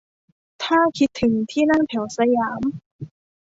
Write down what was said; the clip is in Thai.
ถ้าคิดถึงที่นั่งแถวสยาม